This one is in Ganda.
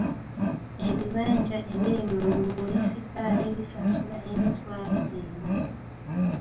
Ebibanja ebiri mu munisipaali bisasula emitwalo ena.